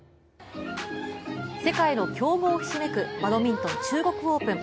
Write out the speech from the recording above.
世界の強豪ひしめくバドミントン中国オープン。